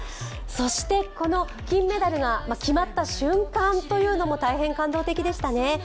そしてこの金メダルが決まった瞬間というのも大変感動的でしたね。